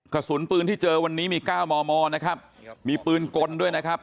กระสุนปืนที่เจอวันนี้มีเก้ามอมอนะครับมีปืนกลด้วยนะครับ